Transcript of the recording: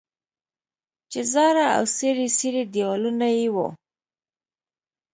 چې زاړه او څیري څیري دیوالونه یې وو.